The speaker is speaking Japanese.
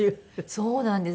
そうなんです。